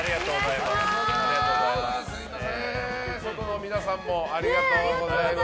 外の皆さんもありがとうございます。